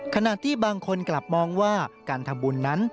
ขณะที่บางคนกลับมองว่าการทำบุญนั้น